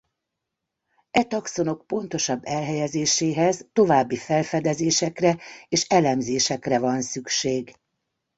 E taxonok pontosabb elhelyezéséhez további felfedezésekre és elemzésekre van szükség.